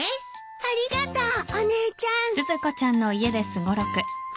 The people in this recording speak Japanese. ありがとうお姉ちゃん。